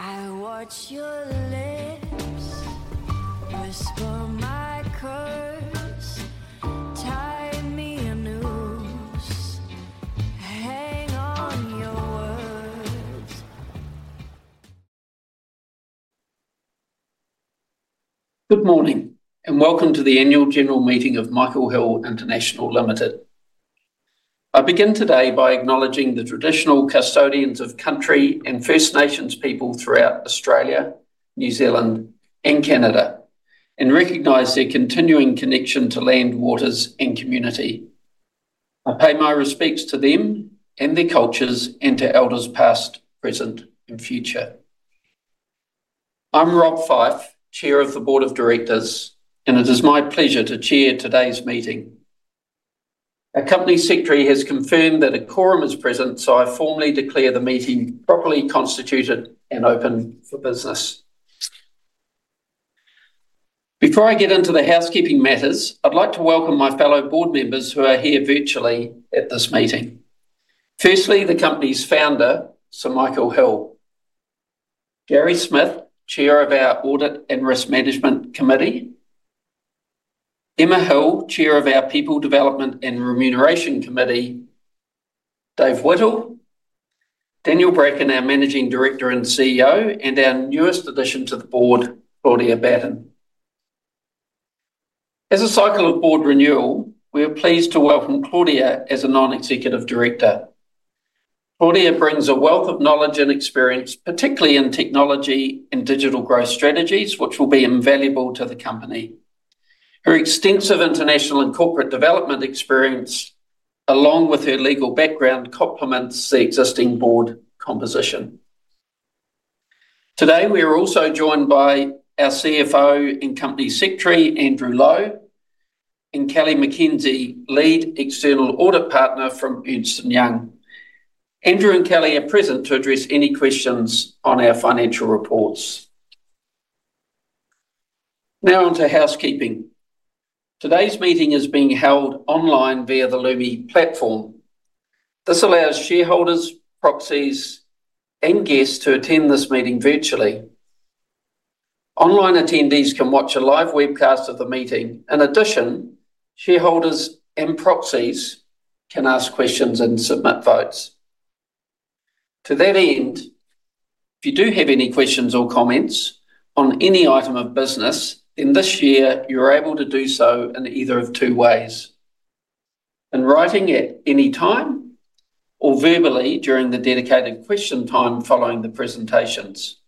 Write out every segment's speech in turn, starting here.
Good morning, and welcome to the Annual General Meeting of Michael Hill International Limited. I begin today by acknowledging the traditional custodians of country and First Nations people throughout Australia, New Zealand, and Canada, and recognize their continuing connection to land, waters, and community. I pay my respects to them and their cultures, and to elders past, present, and future. I'm Rob Fyfe, Chair of the Board of Directors, and it is my pleasure to chair today's meeting. Our company secretary has confirmed that a quorum is present, so I formally declare the meeting properly constituted and open for business. Before I get into the housekeeping matters, I'd like to welcome my fellow board members who are here virtually at this meeting. Firstly, the company's founder, Sir Michael Hill, Gary Smith, Chair of our Audit and Risk Management Committee, Emma Hill, Chair of our People Development and Remuneration Committee, Dave Whittle, Daniel Bracken, our Managing Director and CEO, and our newest addition to the board, Claudia Batten. As a cycle of board renewal, we are pleased to welcome Claudia as a non-executive director. Claudia brings a wealth of knowledge and experience, particularly in technology and digital growth strategies, which will be invaluable to the company. Her extensive international and corporate development experience, along with her legal background, complements the existing board composition. Today, we are also joined by our CFO and Company Secretary, Andrew Lowe, and Kelly McKenzie, Lead External Audit Partner from Ernst & Young. Andrew and Kelly are present to address any questions on our financial reports. Now on to housekeeping. Today's meeting is being held online via the Lumi platform. This allows shareholders, proxies, and guests to attend this meeting virtually. Online attendees can watch a live webcast of the meeting. In addition, shareholders and proxies can ask questions and submit votes. To that end, if you do have any questions or comments on any item of business, then this year you're able to do so in either of two ways: in writing at any time, or verbally during the dedicated question time following the presentations.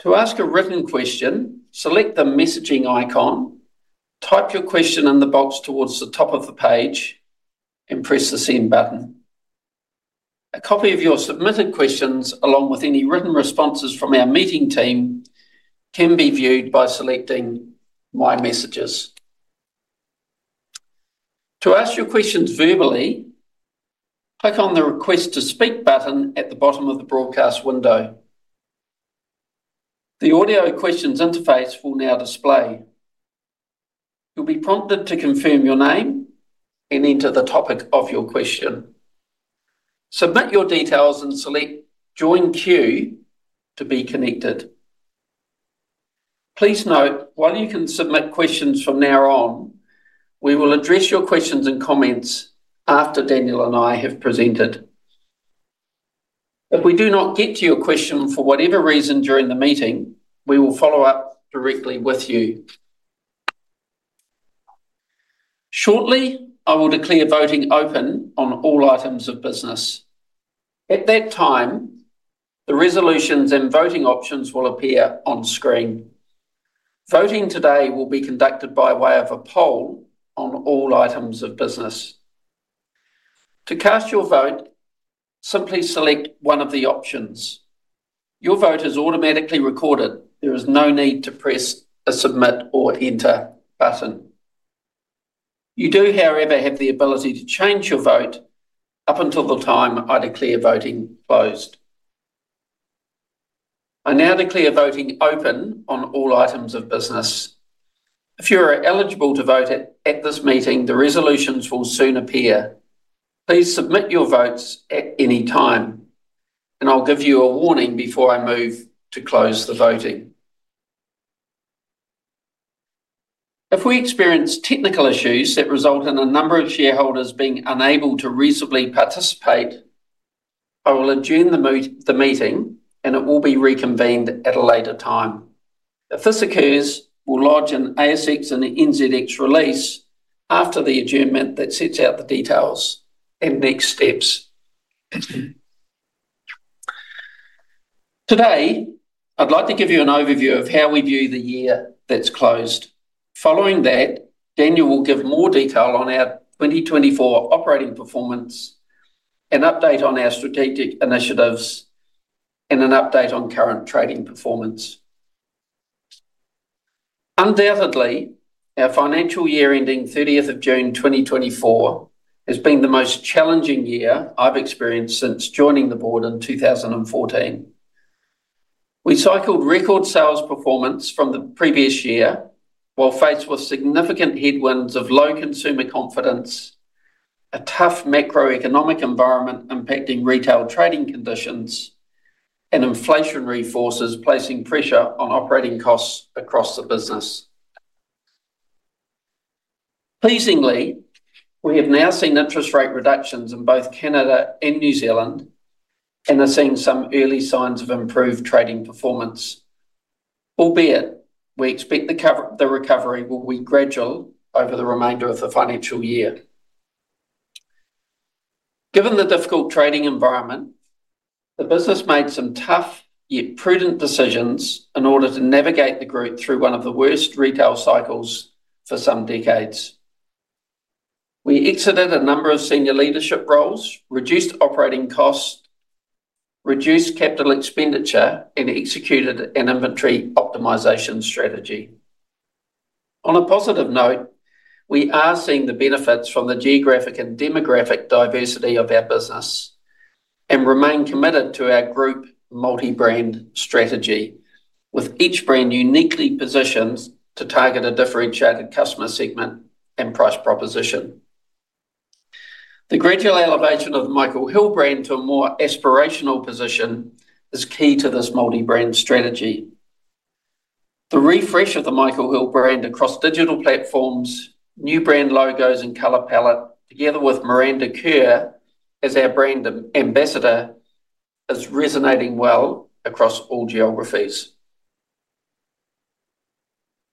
To ask a written question, select the messaging icon, type your question in the box towards the top of the page, and press the Send button. A copy of your submitted questions, along with any written responses from our meeting team, can be viewed by selecting My Messages. To ask your questions verbally, click on the Request to Speak button at the bottom of the broadcast window. The Audio Questions interface will now display. You'll be prompted to confirm your name and enter the topic of your question. Submit your details and select Join Queue to be connected. Please note, while you can submit questions from now on, we will address your questions and comments after Daniel and I have presented. If we do not get to your question for whatever reason during the meeting, we will follow up directly with you. Shortly, I will declare voting open on all items of business. At that time, the resolutions and voting options will appear on screen. Voting today will be conducted by way of a poll on all items of business. To cast your vote, simply select one of the options. Your vote is automatically recorded. There is no need to press a Submit or Enter button. You do, however, have the ability to change your vote up until the time I declare voting closed. I now declare voting open on all items of business. If you are eligible to vote at this meeting, the resolutions will soon appear. Please submit your votes at any time, and I'll give you a warning before I move to close the voting. If we experience technical issues that result in a number of shareholders being unable to reasonably participate, I will adjourn the meeting, and it will be reconvened at a later time. If this occurs, we'll lodge an ASX and a NZX release after the adjournment that sets out the details and next steps. Today, I'd like to give you an overview of how we view the year that's closed. Following that, Daniel will give more detail on our 2024 operating performance, an update on our strategic initiatives, and an update on current trading performance. Undoubtedly, our financial year ending 30th June 2024 has been the most challenging year I've experienced since joining the board in 2014. We cycled record sales performance from the previous year, while faced with significant headwinds of low consumer confidence, a tough macroeconomic environment impacting retail trading conditions, and inflationary forces placing pressure on operating costs across the business. Pleasingly, we have now seen interest rate reductions in both Canada and New Zealand and are seeing some early signs of improved trading performance, albeit we expect the recovery will be gradual over the remainder of the financial year. Given the difficult trading environment, the business made some tough, yet prudent decisions in order to navigate the group through one of the worst retail cycles for some decades. We exited a number of senior leadership roles, reduced operating costs, reduced capital expenditure, and executed an inventory optimization strategy. On a positive note, we are seeing the benefits from the geographic and demographic diversity of our business and remain committed to our group multi-brand strategy, with each brand uniquely positioned to target a differentiated customer segment and price proposition. The gradual elevation of the Michael Hill brand to a more aspirational position is key to this multi-brand strategy. The refresh of the Michael Hill brand across digital platforms, new brand logos and color palette, together with Miranda Kerr as our brand ambassador, is resonating well across all geographies.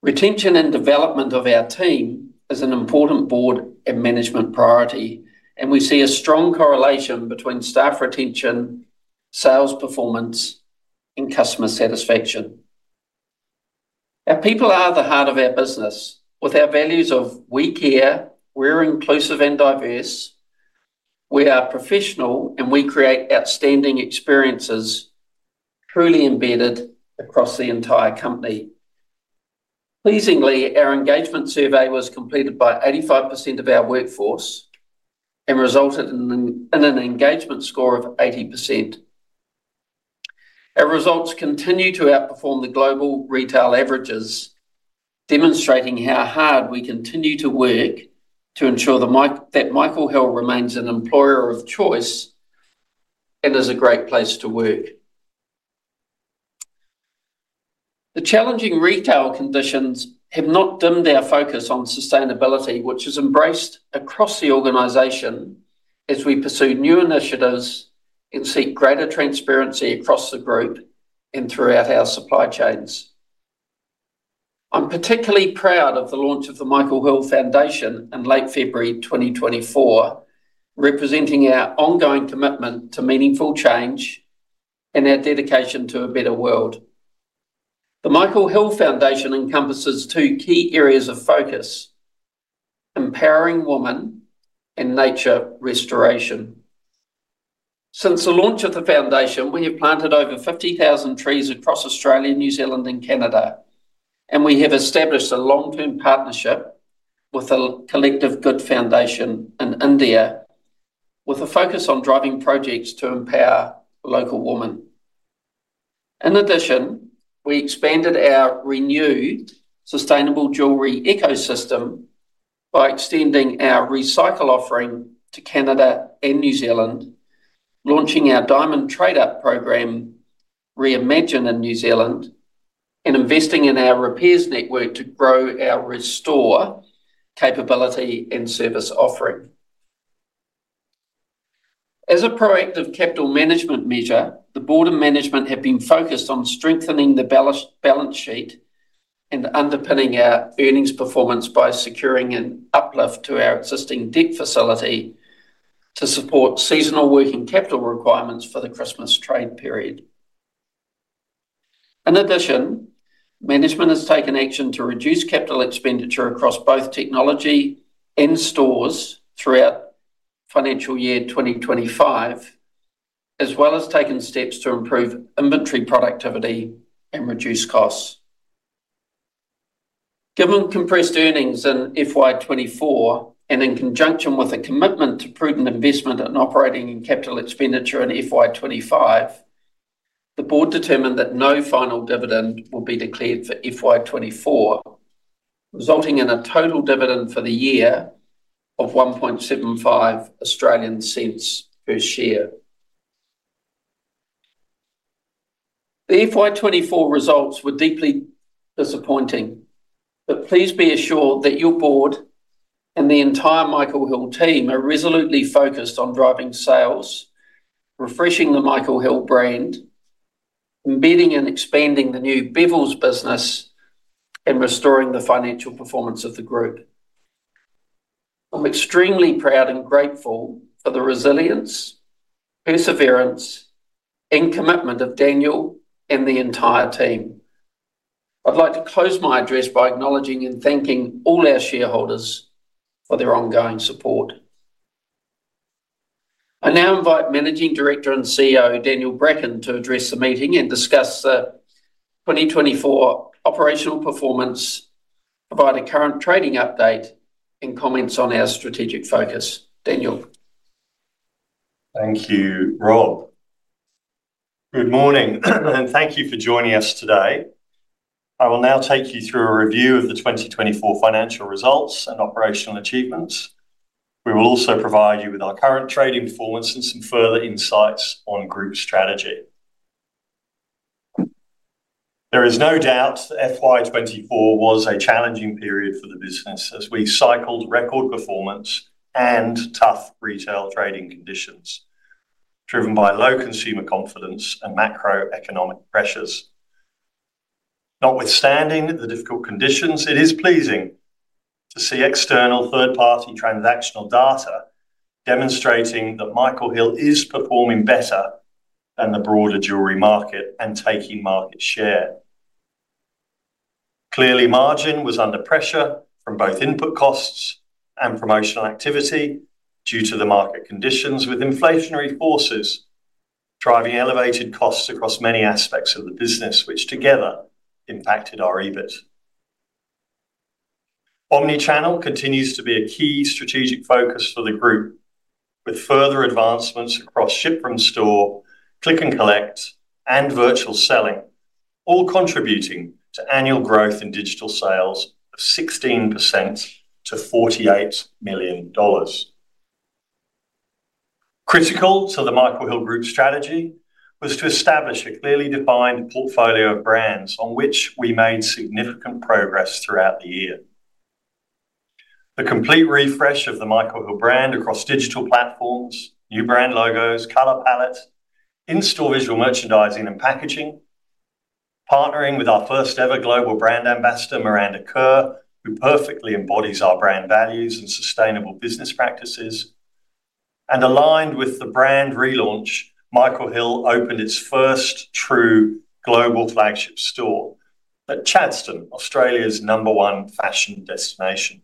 Retention and development of our team is an important board and management priority, and we see a strong correlation between staff retention, sales performance, and customer satisfaction. Our people are the heart of our business. With our values of we care, we're inclusive and diverse, we are professional, and we create outstanding experiences truly embedded across the entire company. Pleasingly, our engagement survey was completed by 85% of our workforce and resulted in an engagement score of 80%. Our results continue to outperform the global retail averages, demonstrating how hard we continue to work to ensure that Michael Hill remains an employer of choice and is a great place to work. The challenging retail conditions have not dimmed our focus on sustainability, which is embraced across the organization as we pursue new initiatives and seek greater transparency across the group and throughout our supply chains. I'm particularly proud of the launch of the Michael Hill Foundation in late February 2024, representing our ongoing commitment to meaningful change and our dedication to a better world.... The Michael Hill Foundation encompasses two key areas of focus: empowering women and nature restoration. Since the launch of the foundation, we have planted over 50,000 trees across Australia, New Zealand and Canada, and we have established a long-term partnership with the Collective Good Foundation in India, with a focus on driving projects to empower local women. In addition, we expanded our renewed sustainable jewelry ecosystem by extending our recycle offering to Canada and New Zealand, launching our diamond trade-up program, Reimagine in New Zealand, and investing in our repairs network to grow our restore capability and service offering. As a proactive capital management measure, the Board of Management have been focused on strengthening the balance sheet and underpinning our earnings performance by securing an uplift to our existing debt facility to support seasonal working capital requirements for the Christmas trade period. In addition, management has taken action to reduce capital expenditure across both technology and stores throughout financial year 2025, as well as taking steps to improve inventory productivity and reduce costs. Given compressed earnings in FY 2024, and in conjunction with a commitment to prudent investment in operating and capital expenditure in FY 2025, the board determined that no final dividend will be declared for FY 2024, resulting in a total dividend for the year of 0.0175 per share. The FY 2024 results were deeply disappointing, but please be assured that your board and the entire Michael Hill team are resolutely focused on driving sales, refreshing the Michael Hill brand, embedding and expanding the new Bevilles business, and restoring the financial performance of the group. I'm extremely proud and grateful for the resilience, perseverance, and commitment of Daniel and the entire team. I'd like to close my address by acknowledging and thanking all our shareholders for their ongoing support. I now invite Managing Director and CEO, Daniel Bracken, to address the meeting and discuss the 2024 operational performance, provide a current trading update and comments on our strategic focus. Daniel? Thank you, Rob. Good morning, and thank you for joining us today. I will now take you through a review of the 2024 financial results and operational achievements. We will also provide you with our current trading performance and some further insights on group strategy. There is no doubt that FY 2024 was a challenging period for the business as we cycled record performance and tough retail trading conditions, driven by low consumer confidence and macroeconomic pressures. Notwithstanding the difficult conditions, it is pleasing to see external third-party transactional data demonstrating that Michael Hill is performing better than the broader jewelry market and taking market share. Clearly, margin was under pressure from both input costs and promotional activity due to the market conditions, with inflationary forces driving elevated costs across many aspects of the business, which together impacted our EBIT. Omni-channel continues to be a key strategic focus for the group, with further advancements across ship from store, Click and Collect, and virtual selling, all contributing to annual growth in digital sales of 16% to AUD 48 million. Critical to the Michael Hill Group strategy was to establish a clearly defined portfolio of brands on which we made significant progress throughout the year. The complete refresh of the Michael Hill brand across digital platforms, new brand logos, color palette, in-store visual merchandising and packaging, partnering with our first-ever global brand ambassador, Miranda Kerr, who perfectly embodies our brand values and sustainable business practices, and aligned with the brand relaunch, Michael Hill opened its first true global flagship store at Chadstone, Australia's number one fashion destination.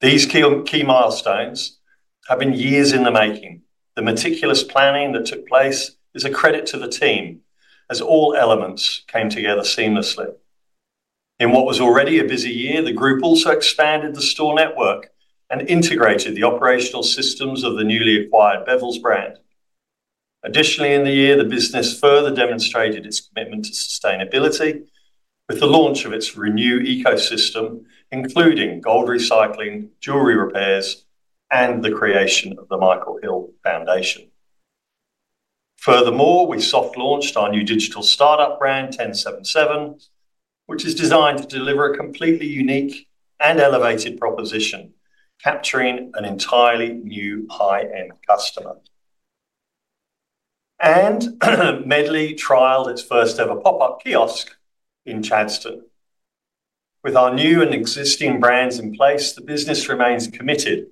These key, key milestones have been years in the making. The meticulous planning that took place is a credit to the team, as all elements came together seamlessly. In what was already a busy year, the group also expanded the store network and integrated the operational systems of the newly acquired Bevilles brand. Additionally, in the year, the business further demonstrated its commitment to sustainability with the launch of its Renew ecosystem, including gold recycling, jewelry repairs, and the creation of the Michael Hill Foundation. Furthermore, we soft launched our new digital startup brand, TenSevenSeven, which is designed to deliver a completely unique and elevated proposition, capturing an entirely new high-end customer. And, Medley trialed its first-ever pop-up kiosk in Chadstone. With our new and existing brands in place, the business remains committed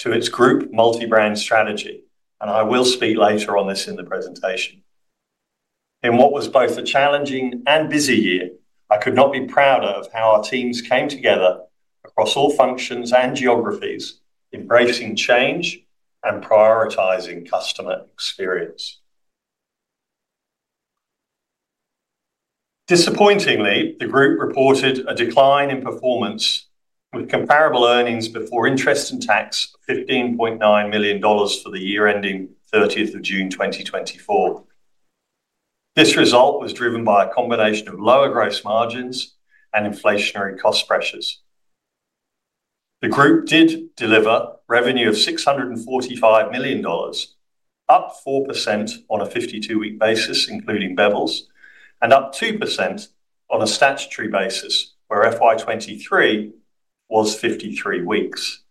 to its group multi-brand strategy, and I will speak later on this in the presentation. In what was both a challenging and busy year, I could not be prouder of how our teams came together across all functions and geographies, embracing change and prioritizing customer experience. Disappointingly, the group reported a decline in performance, with comparable Earnings Before Interest and Tax of 15.9 million dollars for the year ending 30th of June 2024. This result was driven by a combination of lower gross margins and inflationary cost pressures. The group did deliver revenue of 645 million dollars, up 4% on a 52-week basis, including Bevilles, and up 2% on a statutory basis, where FY 2023 was 53 weeks.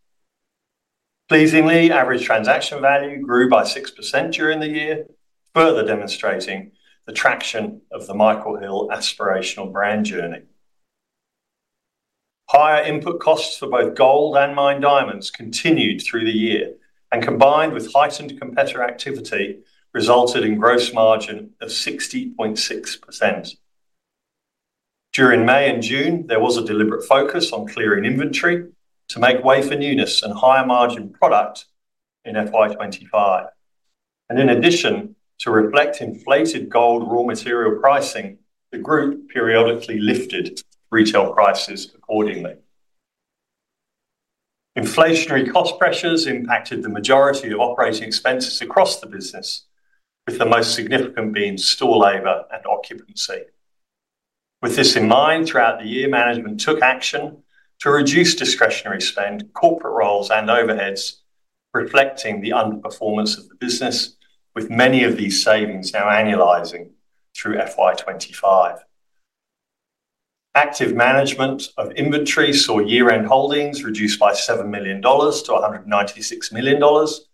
Pleasingly, average transaction value grew by 6% during the year, further demonstrating the traction of the Michael Hill aspirational brand journey. Higher input costs for both gold and mined diamonds continued through the year, and combined with heightened competitor activity, resulted in gross margin of 60.6%. During May and June, there was a deliberate focus on clearing inventory to make way for newness and higher margin product in FY 2025. And in addition, to reflect inflated gold raw material pricing, the group periodically lifted retail prices accordingly. Inflationary cost pressures impacted the majority of operating expenses across the business, with the most significant being store labor and occupancy. With this in mind, throughout the year, management took action to reduce discretionary spend, corporate roles and overheads, reflecting the underperformance of the business, with many of these savings now annualizing through FY 2025. Active management of inventory saw year-end holdings reduced by 7 million dollars to 196 million dollars,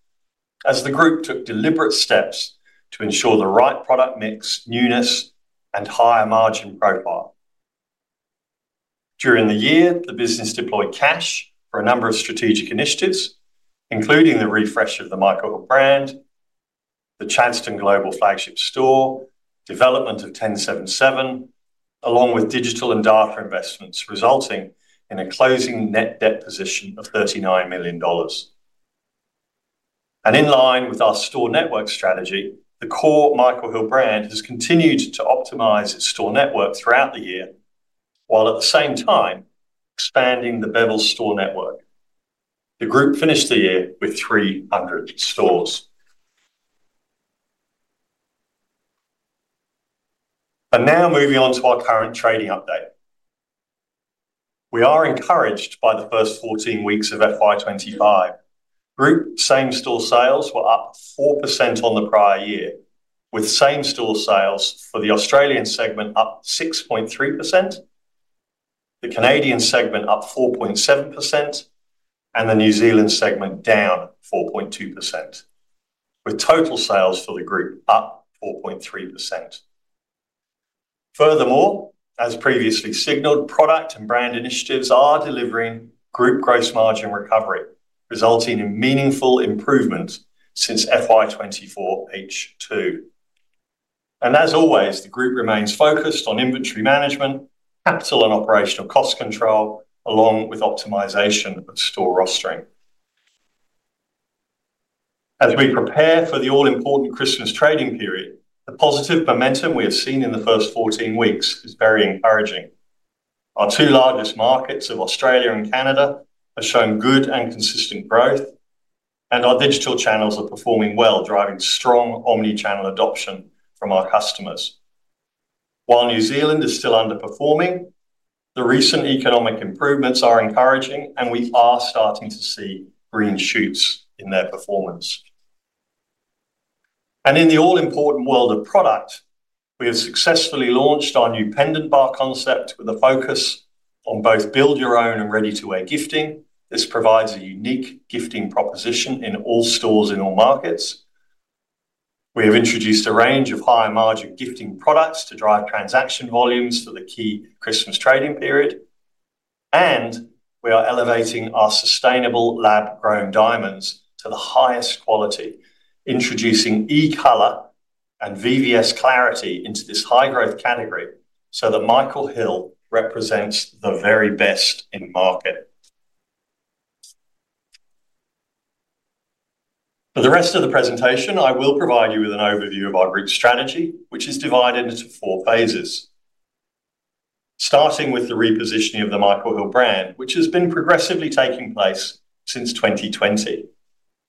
as the group took deliberate steps to ensure the right product mix, newness, and higher margin profile. During the year, the business deployed cash for a number of strategic initiatives, including the refresh of the Michael brand, the Chadstone global flagship store, development of TenSevenSeven, along with digital and data investments, resulting in a closing net debt position of 39 million dollars. And in line with our store network strategy, the core Michael Hill brand has continued to optimize its store network throughout the year, while at the same time expanding the Bevilles store network. The group finished the year with 300 stores. But now moving on to our current trading update. We are encouraged by the first 14 weeks of FY 2025. Group same-store sales were up 4% on the prior year, with same-store sales for the Australian segment up 6.3%, the Canadian segment up 4.7%, and the New Zealand segment down 4.2%, with total sales for the group up 4.3%. Furthermore, as previously signaled, product and brand initiatives are delivering group gross margin recovery, resulting in meaningful improvement since FY 2024 H2. And as always, the group remains focused on inventory management, capital and operational cost control, along with optimization of store rostering. As we prepare for the all-important Christmas trading period, the positive momentum we have seen in the first 14 weeks is very encouraging. Our two largest markets of Australia and Canada are showing good and consistent growth, and our digital channels are performing well, driving strong omni-channel adoption from our customers. While New Zealand is still underperforming, the recent economic improvements are encouraging, and we are starting to see green shoots in their performance, and in the all-important world of product, we have successfully launched our new Pendant Bar concept with a focus on both build your own and ready-to-wear gifting. This provides a unique gifting proposition in all stores in all markets. We have introduced a range of high-margin gifting products to drive transaction volumes for the key Christmas trading period, and we are elevating our sustainable lab-grown diamonds to the highest quality, introducing E color and VVS clarity into this high-growth category, so that Michael Hill represents the very best in market. For the rest of the presentation, I will provide you with an overview of our group strategy, which is divided into. Starting with the repositioning of the Michael Hill brand, which has been progressively taking place since 2020,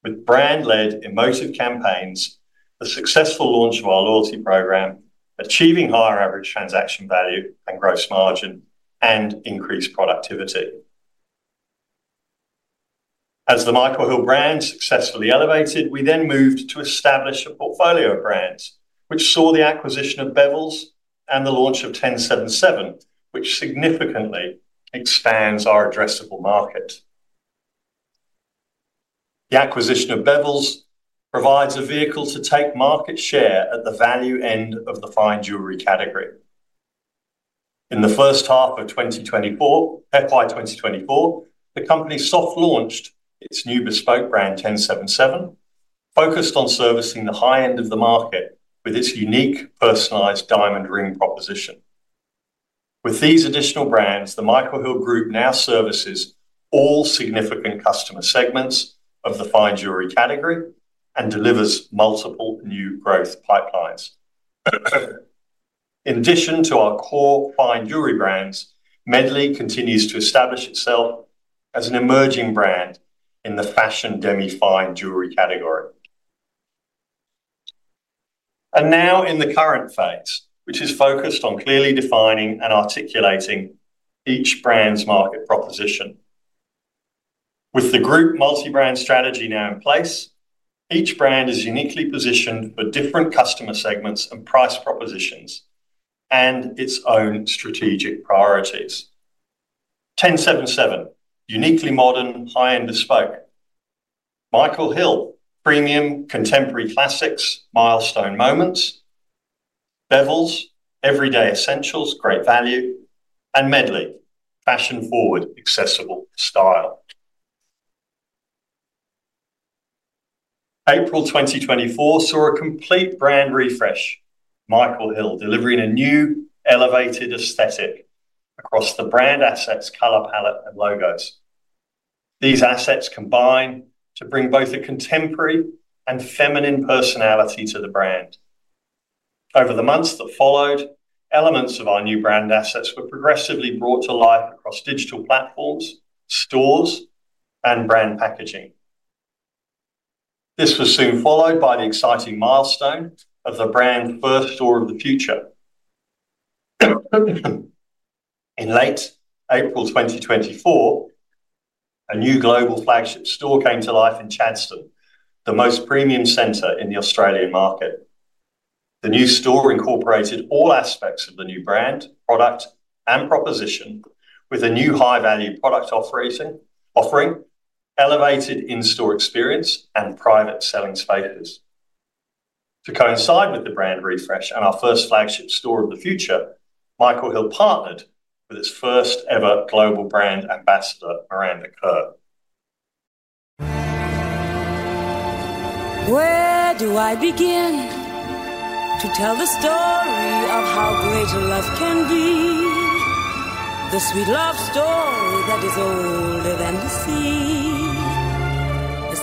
with brand-led emotive campaigns, the successful launch of our loyalty program, achieving higher average transaction value and gross margin, and increased productivity. As the Michael Hill brand successfully elevated, we then moved to establish a portfolio of brands, which saw the acquisition of Bevilles and the launch of TenSevenSeven, which significantly expands our addressable market. The acquisition of Bevilles provides a vehicle to take market share at the value end of the fine jewelry category. In the H1 of 2024, FY 2024, the company soft launched its new bespoke brand, TenSevenSeven, focused on servicing the high end of the market with its unique, personalized diamond ring proposition. With these additional brands, the Michael Hill Group now services all significant customer segments of the fine jewelry category and delivers multiple new growth pipelines. In addition to our core fine jewelry brands, Medley continues to establish itself as an emerging brand in the fashion demi-fine jewelry category, and now in the current phase, which is focused on clearly defining and articulating each brand's market proposition. With the group multi-brand strategy now in place, each brand is uniquely positioned for different customer segments and price propositions, and its own strategic priorities. TenSevenSeven, uniquely modern, high-end bespoke. Michael Hill, premium contemporary classics, milestone moments. Bevilles, everyday essentials, great value. And Medley, fashion-forward, accessible style. April 2024 saw a complete brand refresh, Michael Hill delivering a new, elevated aesthetic across the brand assets, color palette, and logos. These assets combine to bring both a contemporary and feminine personality to the brand. Over the months that followed, elements of our new brand assets were progressively brought to life across digital platforms, stores, and brand packaging. This was soon followed by the exciting milestone of the brand's first Store of the Future. In late April 2024, a new global flagship store came to life in Chadstone, the most premium center in the Australian market. The new store incorporated all aspects of the new brand, product, and proposition, with a new high-value product offering, elevated in-store experience, and private selling spaces. To coincide with the brand refresh and our first flagship Store of the Future, Michael Hill partnered with its first ever global brand ambassador, Miranda Kerr. Miranda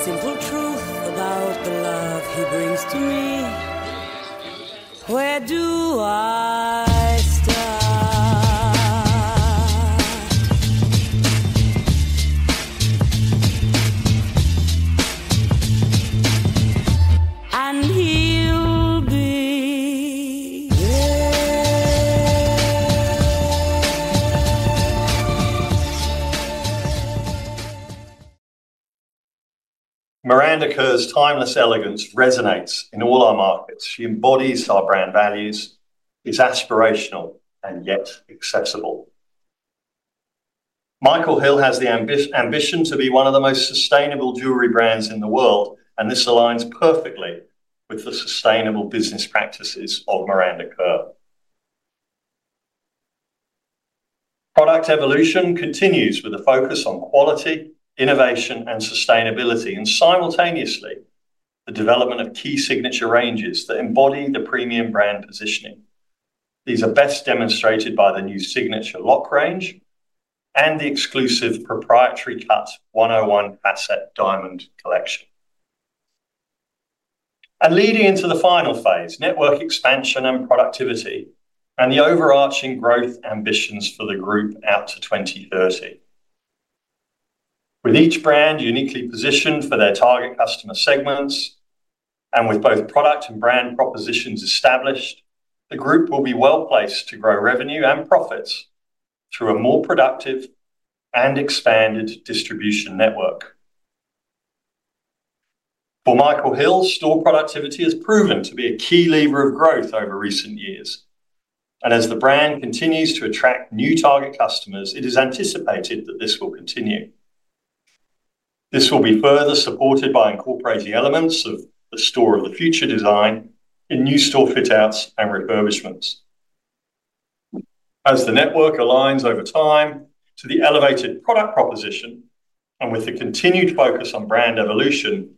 Kerr's timeless elegance resonates in all our markets. She embodies our brand values, is aspirational, and yet accessible. Michael Hill has the ambition to be one of the most sustainable jewelry brands in the world, and this aligns perfectly with the sustainable business practices of Miranda Kerr. Product evolution continues with a focus on quality, innovation, and sustainability, and simultaneously, the development of key signature ranges that embody the premium brand positioning. These are best demonstrated by the new Signature Lock range and the exclusive proprietary 101 Facet diamond collection, and leading into the final phase, network expansion and productivity, and the overarching growth ambitions for the group out to 2030. With each brand uniquely positioned for their target customer segments, and with both product and brand propositions established, the group will be well-placed to grow revenue and profits through a more productive and expanded distribution network. For Michael Hill, store productivity has proven to be a key lever of growth over recent years, and as the brand continues to attract new target customers, it is anticipated that this will continue. This will be further supported by incorporating elements of the Store of the Future design in new store fit outs and refurbishments. As the network aligns over time to the elevated product proposition, and with the continued focus on brand evolution,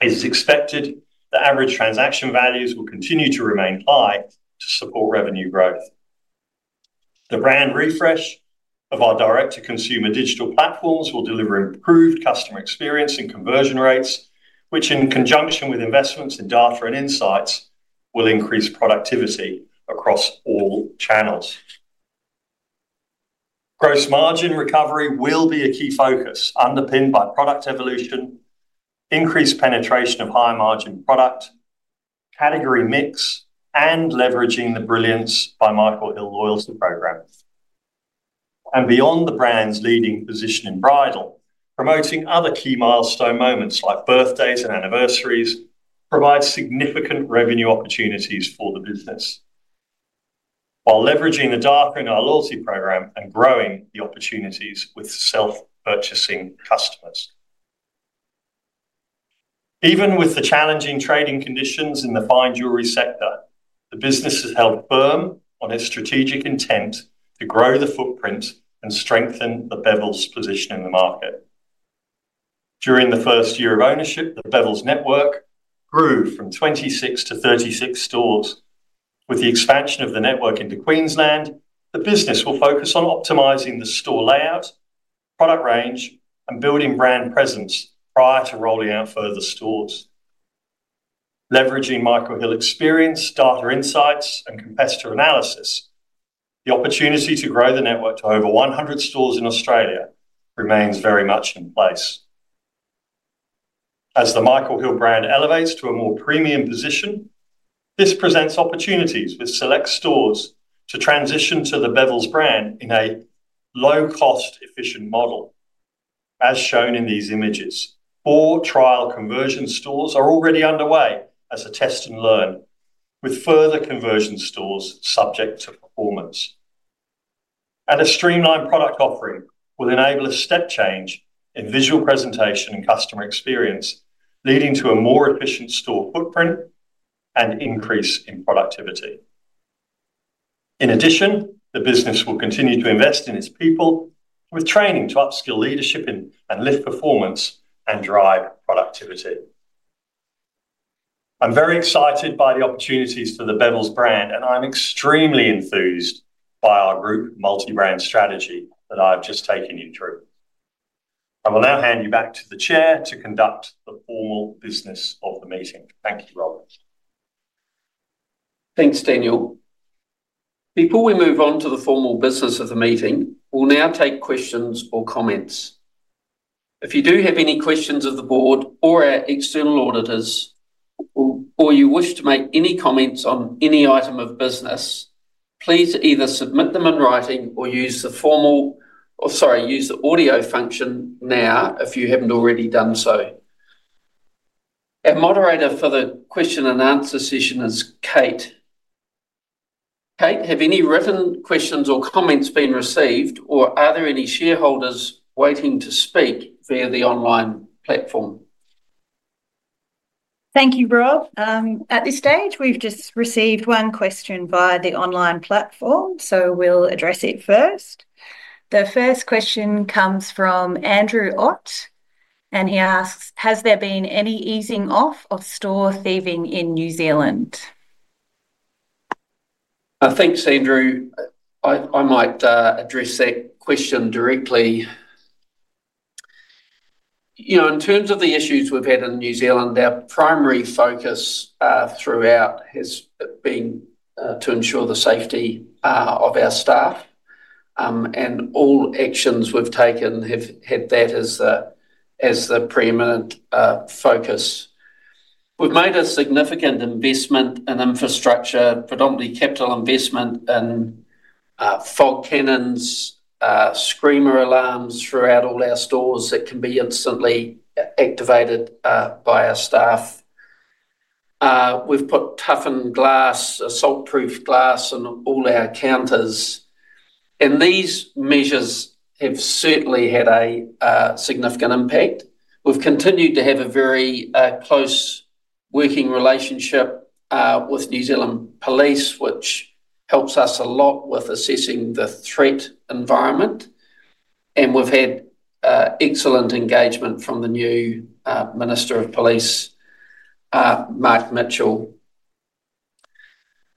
it is expected that average transaction values will continue to remain high to support revenue growth. The brand refresh of our direct-to-consumer digital platforms will deliver improved customer experience and conversion rates, which, in conjunction with investments in data and insights, will increase productivity across all channels. Gross margin recovery will be a key focus, underpinned by product evolution, increased penetration of higher margin product, category mix, and leveraging the Brilliance by Michael Hill loyalty program, and beyond the brand's leading position in bridal, promoting other key milestone moments, like birthdays and anniversaries, provides significant revenue opportunities for the business, while leveraging the data in our loyalty program and growing the opportunities with self-purchasing customers. Even with the challenging trading conditions in the fine jewelry sector, the business has held firm on its strategic intent to grow the footprint and strengthen the Bevilles' position in the market. During the 1st year of ownership, the Bevilles' network grew from 26 to 36 stores. With the expansion of the network into Queensland, the business will focus on optimizing the store layout, product range, and building brand presence prior to rolling out further stores. Leveraging Michael Hill experience, data insights, and competitor analysis, the opportunity to grow the network to over 100 stores in Australia remains very much in place. As the Michael Hill brand elevates to a more premium position, this presents opportunities with select stores to transition to the Bevilles brand in a low-cost, efficient model, as shown in these images. Four trial conversion stores are already underway as a test and learn, with further conversion stores subject to performance, and a streamlined product offering will enable a step change in visual presentation and customer experience, leading to a more efficient store footprint and increase in productivity. In addition, the business will continue to invest in its people with training to upskill leadership and lift performance and drive productivity. I'm very excited by the opportunities for the Bevilles brand, and I'm extremely enthused by our group multi-brand strategy that I've just taken you through. I will now hand you back to the Chair to conduct the formal business of the meeting. Thank you, Rob. Thanks, Daniel. Before we move on to the formal business of the meeting, we'll now take questions or comments. If you do have any questions of the board or our external auditors, or you wish to make any comments on any item of business, please either submit them in writing or use the audio function now, if you haven't already done so. Our moderator for the question and answer session is Kate. Kate, have any written questions or comments been received, or are there any shareholders waiting to speak via the online platform? Thank you, Rob. At this stage, we've just received one question via the online platform, so we'll address it first. The first question comes from Andrew Ott, and he asks: "Has there been any easing off of store thieving in New Zealand? Thanks, Andrew. I might address that question directly. You know, in terms of the issues we've had in New Zealand, our primary focus throughout has been to ensure the safety of our staff, and all actions we've taken have had that as the preeminent focus. We've made a significant investment in infrastructure, predominantly capital investment in fog cannons, screamer alarms throughout all our stores that can be instantly activated by our staff. We've put toughened glass, assault-proof glass in all our counters, and these measures have certainly had a significant impact. We've continued to have a very close working relationship with New Zealand Police, which helps us a lot with assessing the threat environment, and we've had excellent engagement from the new Minister of Police, Mark Mitchell.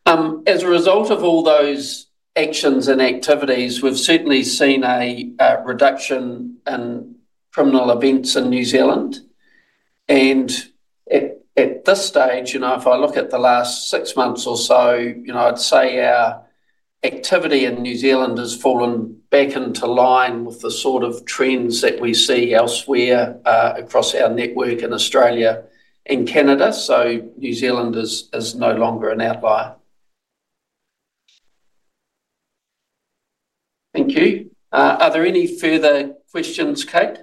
As a result of all those actions and activities, we've certainly seen a reduction in criminal events in New Zealand, and at this stage, you know, if I look at the last six months or so, you know, I'd say our activity in New Zealand has fallen back into line with the sort of trends that we see elsewhere across our network in Australia and Canada, so New Zealand is no longer an outlier. Thank you. Are there any further questions, Kate?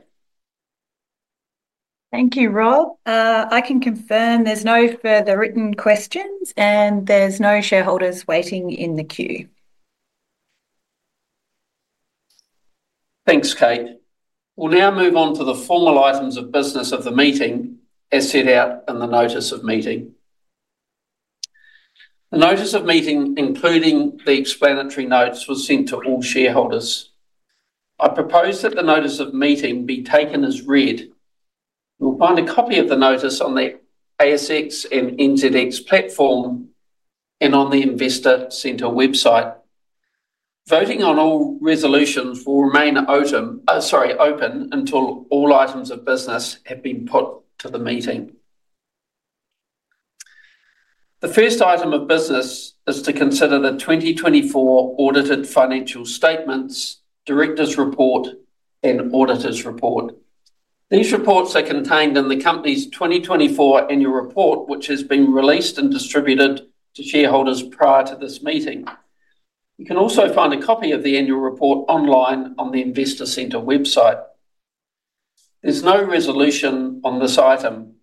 Thank you, Rob. I can confirm there's no further written questions, and there's no shareholders waiting in the queue. Thanks, Kate. We'll now move on to the formal items of business of the meeting, as set out in the notice of meeting. The notice of meeting, including the explanatory notes, was sent to all shareholders. I propose that the notice of meeting be taken as read. You'll find a copy of the notice on the ASX and NZX platform and on the Investor Centre website. Voting on all resolutions will remain, oh, sorry, open until all items of business have been put to the meeting. The first item of business is to consider the 2024 audited financial statements, directors' report, and auditors' report. These reports are contained in the company's 2024 annual report, which has been released and distributed to shareholders prior to this meeting. You can also find a copy of the annual report online on the Investor Centre website. There's no resolution on this item.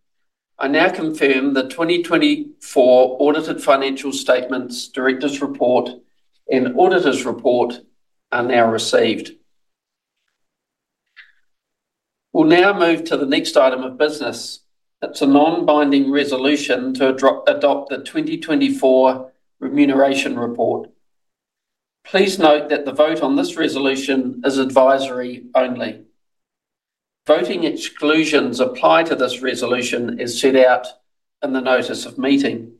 I now confirm the 2024 audited financial statements, directors' report, and auditors' report are now received. We'll now move to the next item of business. It's a non-binding resolution to adopt the 2024 remuneration report. Please note that the vote on this resolution is advisory only. Voting exclusions apply to this resolution, as set out in the notice of meeting.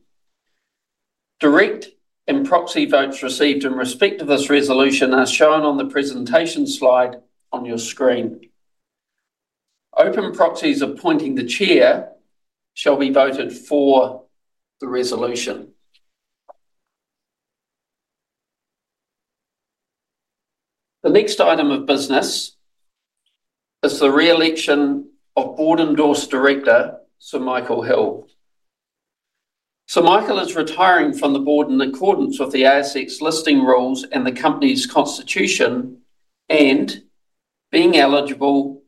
Direct and proxy votes received in respect to this resolution are shown on the presentation slide on your screen. Open proxies appointing the chair shall be voted for the resolution. The next item of business is the re-election of board-endorsed director, Sir Michael Hill. Sir Michael is retiring from the board in accordance with the ASX listing rules and the company's constitution, and being eligible,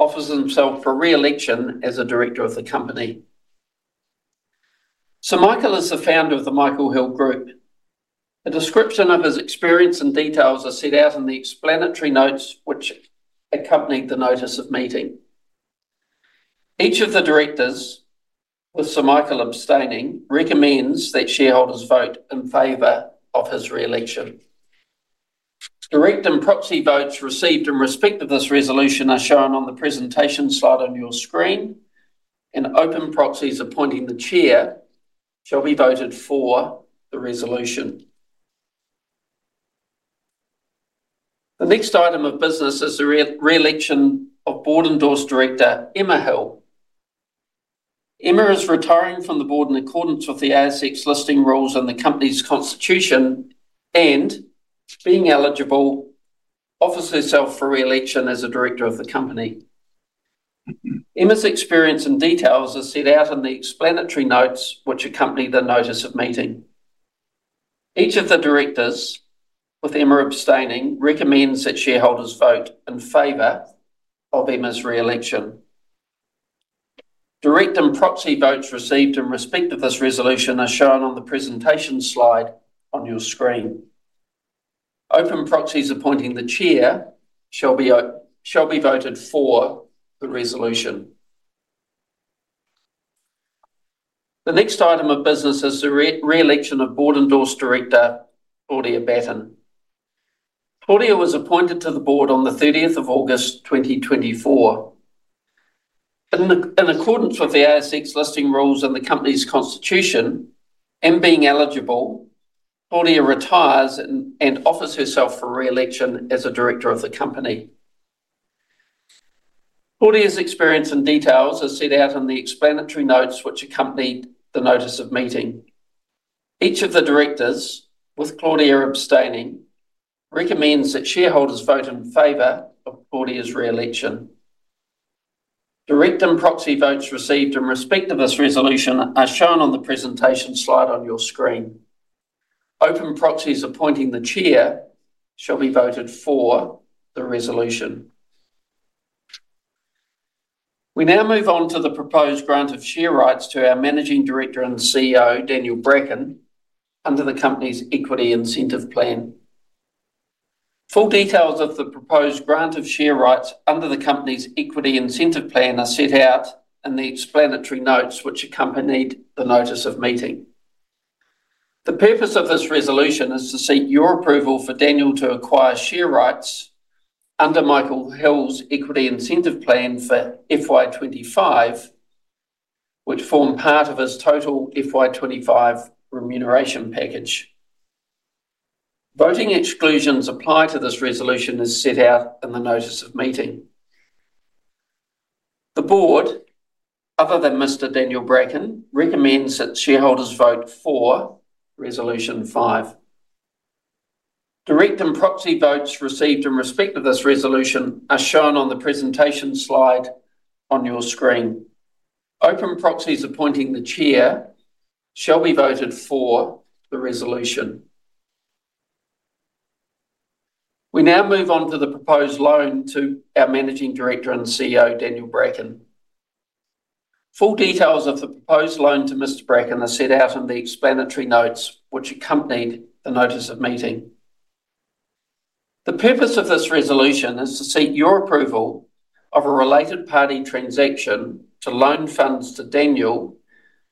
offers himself for re-election as a director of the company. Sir Michael is the founder of the Michael Hill Group. A description of his experience and details are set out in the explanatory notes, which accompanied the notice of meeting. Each of the directors, with Sir Michael abstaining, recommends that shareholders vote in favor of his re-election. Direct and proxy votes received in respect of this resolution are shown on the presentation slide on your screen, and open proxies appointing the chair shall be voted for the resolution. The next item of business is the re-election of board-endorsed director, Emma Hill. Emma is retiring from the board in accordance with the ASX listing rules and the company's constitution, and being eligible, offers herself for re-election as a director of the company. Emma's experience and details are set out in the explanatory notes, which accompany the notice of meeting. Each of the directors, with Emma abstaining, recommends that shareholders vote in favor of Emma's re-election. Direct and proxy votes received in respect of this resolution are shown on the presentation slide on your screen. Open proxies appointing the chair shall be voted for the resolution. The next item of business is the re-election of board-endorsed director, Claudia Batten. Claudia was appointed to the board on the thirtieth of August, 2024. In accordance with the ASX listing rules and the company's constitution, and being eligible, Claudia retires and offers herself for re-election as a director of the company. Claudia's experience and details are set out in the explanatory notes, which accompanied the notice of meeting. Each of the directors, with Claudia abstaining, recommends that shareholders vote in favor of Claudia's re-election. Direct and proxy votes received in respect of this resolution are shown on the presentation slide on your screen. Open proxies appointing the chair shall be voted for the resolution. We now move on to the proposed grant of share rights to our Managing Director and CEO, Daniel Bracken, under the company's equity incentive plan. Full details of the proposed grant of share rights under the company's equity incentive plan are set out in the explanatory notes, which accompanied the notice of meeting. The purpose of this resolution is to seek your approval for Daniel to acquire share rights under Michael Hill's equity incentive plan for FY 2025, which form part of his total FY 2025 remuneration package. Voting exclusions apply to this resolution as set out in the notice of meeting. The board, other than Mr. Daniel Bracken, recommends that shareholders vote for Resolution five. Direct and proxy votes received in respect of this resolution are shown on the presentation slide on your screen. Open proxies appointing the chair shall be voted for the resolution. We now move on to the proposed loan to our Managing Director and CEO, Daniel Bracken. Full details of the proposed loan to Mr. Bracken are set out in the explanatory notes, which accompanied the notice of meeting. The purpose of this resolution is to seek your approval of a related party transaction to loan funds to Daniel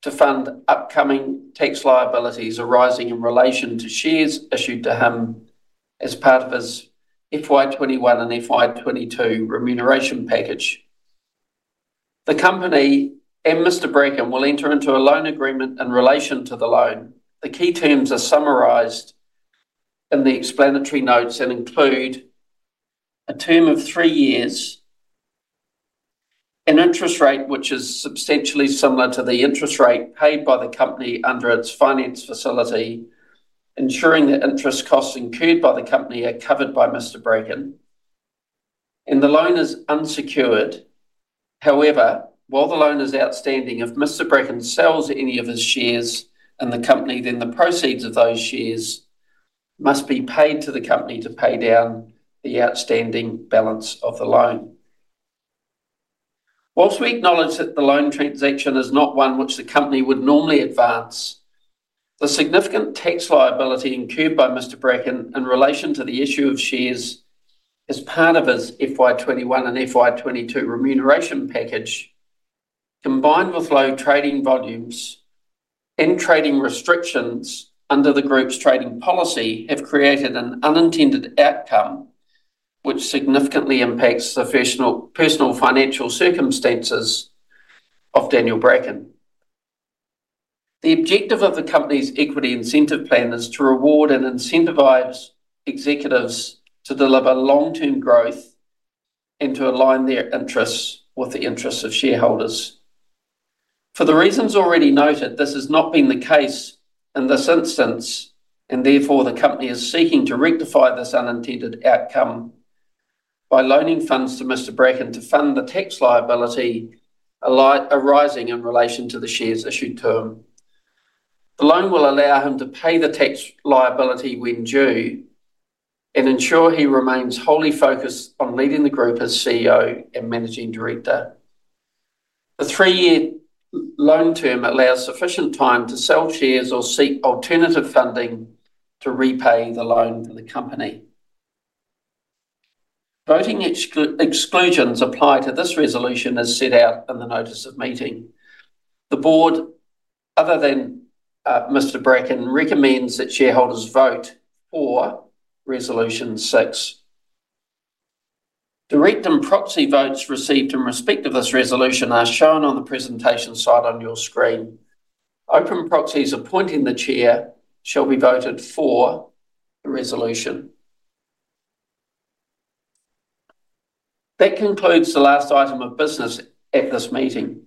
to fund upcoming tax liabilities arising in relation to shares issued to him as part of his FY 2021 and FY 2022 remuneration package. The company and Mr. Bracken will enter into a loan agreement in relation to the loan. The key terms are summarized in the explanatory notes and include a term of three years, an interest rate, which is substantially similar to the interest rate paid by the company under its finance facility, ensuring that interest costs incurred by the company are covered by Mr. Bracken, and the loan is unsecured. However, while the loan is outstanding, if Mr. Bracken sells any of his shares in the company, then the proceeds of those shares must be paid to the company to pay down the outstanding balance of the loan. While we acknowledge that the loan transaction is not one which the company would normally advance, the significant tax liability incurred by Mr. Bracken in relation to the issue of shares as part of his FY 2021 and FY 2022 remuneration package, combined with low trading volumes and trading restrictions under the group's trading policy, have created an unintended outcome which significantly impacts the personal financial circumstances of Daniel Bracken. The objective of the company's equity incentive plan is to reward and incentivize executives to deliver long-term growth and to align their interests with the interests of shareholders. For the reasons already noted, this has not been the case in this instance, and therefore, the company is seeking to rectify this unintended outcome by loaning funds to Mr. Bracken to fund the tax liability arising in relation to the shares issued to him. The loan will allow him to pay the tax liability when due and ensure he remains wholly focused on leading the group as CEO and Managing Director. The three-year loan term allows sufficient time to sell shares or seek alternative funding to repay the loan to the company. Voting exclusions apply to this resolution as set out in the notice of meeting. The board, other than Mr. Bracken, recommends that shareholders vote for Resolution six. Direct and proxy votes received in respect of this resolution are shown on the presentation slide on your screen. Open proxies appointing the chair shall be voted for the resolution. That concludes the last item of business at this meeting.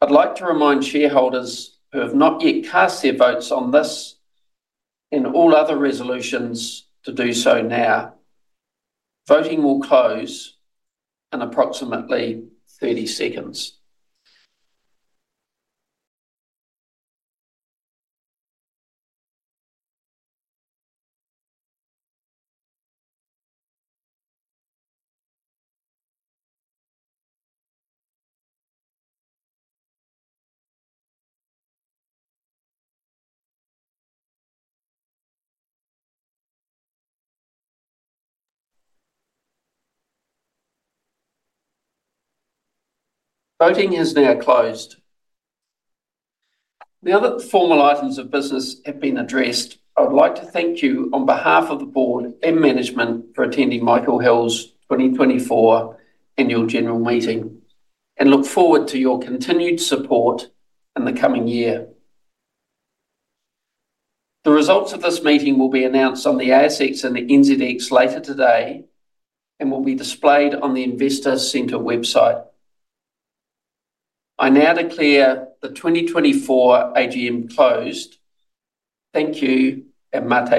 I'd like to remind shareholders who have not yet cast their votes on this and all other resolutions to do so now. Voting will close in approximately 30 seconds. Voting is now closed. Now that the formal items of business have been addressed, I would like to thank you on behalf of the board and management for attending Michael Hill's 2024 annual general meeting, and look forward to your continued support in the coming year. The results of this meeting will be announced on the ASX and the NZX later today and will be displayed on the Investor Center website. I now declare the 2024 AGM closed. Thank you and Ma te wa.